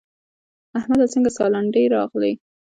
احمده څنګه سالنډی راغلې؟!